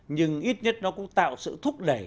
nhưng ít nhất nó cũng tạo sự thúc đẩy